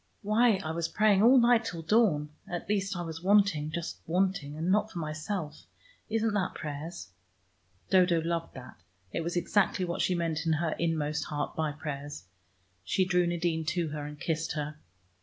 "Why I was praying all night till dawn. At least, I was wanting, just wanting, and not for myself. Isn't that prayers?" Dodo loved that: it was exactly what she meant in her inmost heart by prayers. She drew Nadine to her and kissed her.